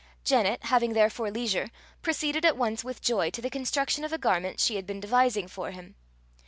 Janet, having therefore leisure, proceeded at once with joy to the construction of a garment she had been devising for him.